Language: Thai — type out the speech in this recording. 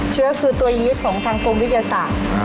เชื้อคือตัวยีตของทางกรมวิทยาศาสตร์